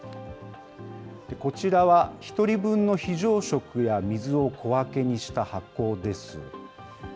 こちらは、１人分の非常食や水を小分けにした箱です。